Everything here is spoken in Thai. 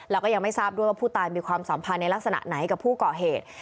แล้วก็ยังไม่ทราบด้วยว่าผู้ตายมีความสัมพันธ์ในลักษณะไหนกับผู้ก่อเหตุ